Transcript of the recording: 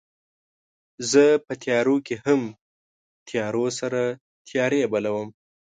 زه په تیارو کې هم تیارې سره تیارې بلوم